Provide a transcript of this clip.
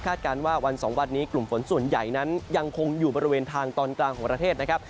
การว่าวันสองวันนี้กลุ่มฝนส่วนใหญ่นั้นยังคงอยู่บริเวณทางตอนกลางของประเทศนะครับ